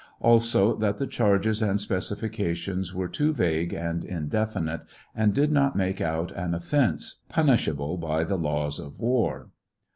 Also, that the charges and specifltations were too vague and indefi nite, and did not make out an offence, punishable by the laws of war.